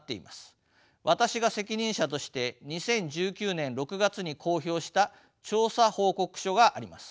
私が責任者として２０１９年６月に公表した調査報告書があります。